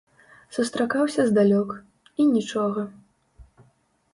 Сустракаўся здалёк, і нічога.